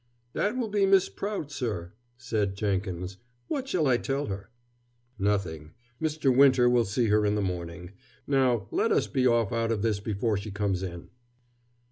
"That will be Miss Prout, sir," said Jenkins. "What shall I tell her?" "Nothing. Mr. Winter will see her in the morning. Now, let us be off out of this before she comes in."